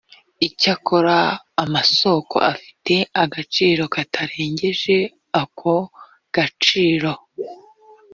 icyakora amasoko afite agaciro katarengeje ako gaciro